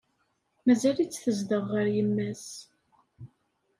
Mazal-itt tezdeɣ ɣer yemma-s.